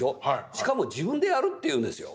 しかも自分でやるっていうんですよ。